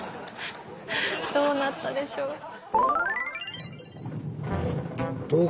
どうなったでしょう。